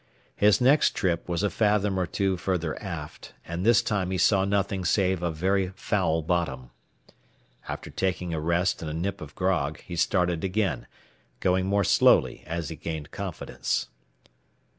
His next trip was a fathom or so further aft, and this time he saw nothing save a very foul bottom. After taking a rest and a nip of grog he started again, going more slowly as he gained confidence.